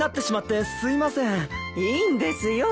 いいんですよ。